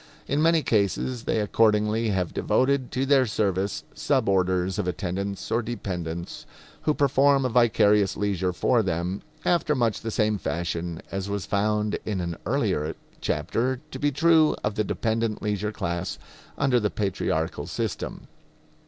In many cases they accordingly have devoted to their service sub orders of attendants or dependents who perform a vicarious leisure for them, after much the same fashion as was found in an earlier chapter to be true of the dependent leisure class under the patriarchal system.